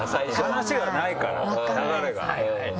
話がないから流れが。